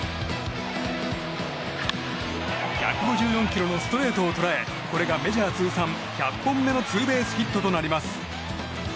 １５４キロのストレートを捉えこれがメジャー通算１００本目のツーベースヒットとなります。